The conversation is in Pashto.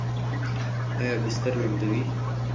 ایا بستر لمدوي؟